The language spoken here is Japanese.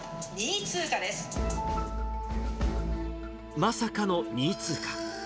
まさかの２位通過。